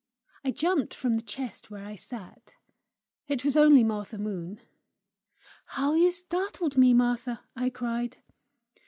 I jumped from the chest where I sat. It was only Martha Moon. "How you startled me, Martha!" I cried.